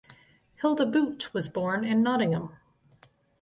Hilda Boot was born in Nottingham.